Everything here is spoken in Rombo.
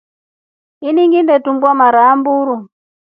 Ini ninginetumba mara amburu.